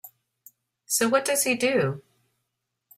So what does he do?